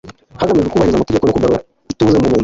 hagamijwe kubahiriza amategeko no kugarura ituze mu mpunzi